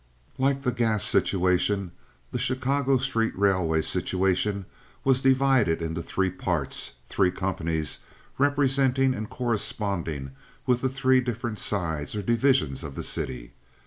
Like the gas situation, the Chicago street railway situation was divided into three parts—three companies representing and corresponding with the three different sides or divisions of the city.